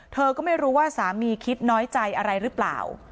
เธอก็ไม่รู้ว่าสามีคิดน้อยใจอะไรหรือเปล่า